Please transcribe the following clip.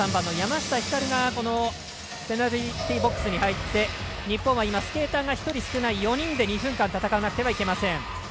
２３番の山下光がペナルティーボックスに入って日本は今スケーターが１人少ない４人で２分間、戦わなくてはいけません。